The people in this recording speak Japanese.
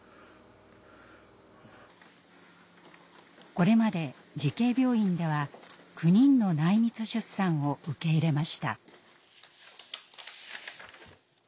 これまで慈恵病院では９人の内密出産を受け入れました。